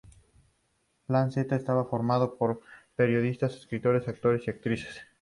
Plan Z estaba formado por periodistas, escritores, actores y actrices.